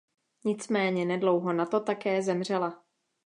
Nicméně nedlouho na to také zemřela.